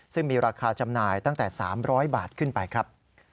ซึ่งมีราคาจำหน่ายตั้งแต่๓๐๐บาทขึ้นไปครับ